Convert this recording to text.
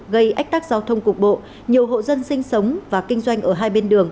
gây ách tắc giao thông cục bộ nhiều hộ dân sinh sống và kinh doanh ở hai bên đường